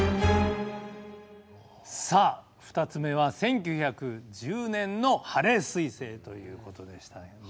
さあ２つ目は１９１０年の「ハレー彗星」ということでしたけどね。